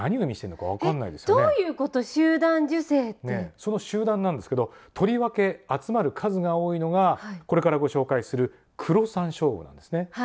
その集団なんですけどとりわけ集まる数が多いのがこれからご紹介するクロサンショウウオなんですね。